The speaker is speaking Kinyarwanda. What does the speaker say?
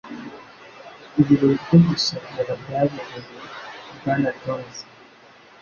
Ibirori byo gusezera byabereye Bwana Jones.